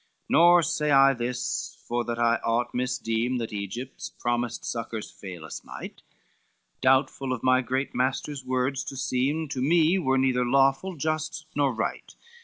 XXXVIII "Nor say I this for that I aught misdeem That Egypt's promised succors fail us might, Doubtful of my great master's words to seem To me were neither lawful, just, nor right!